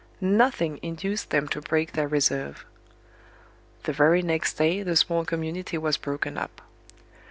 Nothing induced them to break their reserve. The very next day the small community was broken up.